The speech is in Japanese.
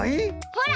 ほら！